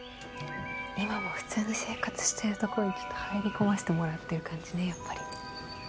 今も普通に生活しているところにちょっと入り込ませてもらってる感じねやっぱり。